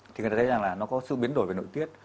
thì người ta thấy rằng là nó có sự biến đổi về nội tiết